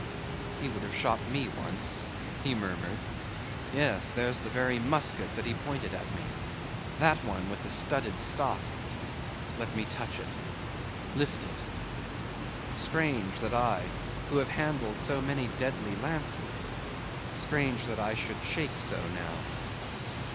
"He would have shot me once," he murmured, "yes, there's the very musket that he pointed at me;—that one with the studded stock; let me touch it—lift it. Strange, that I, who have handled so many deadly lances, strange, that I should shake so now.